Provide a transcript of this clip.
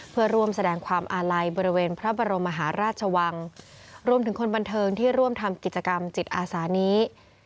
เพื่อร่วมแสดงความอาลัยบริเวณพระบรมมหาราชวังรวมถึงคนบันเทิงที่ร่วมทำกิจกรรมจิตอาสานี้